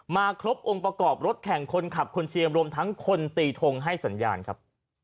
ครบองค์ประกอบรถแข่งคนขับคนเชียร์รวมทั้งคนตีทงให้สัญญาณครับ